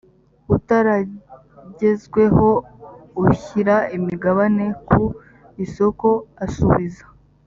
utaragezweho ushyira imigabane ku isoko asubiza